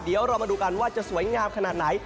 เดี๋ยวเรามาดูกันว่าจะสวยงามขนาดไหน